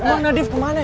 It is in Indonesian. emang nadif kemana ya